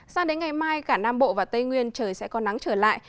sang đến ngày mai cả nam bộ và tây nguyên trời sẽ có nắng trở lại